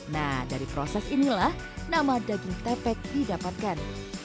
nah dari proses inilah nama daging tepek didapatkan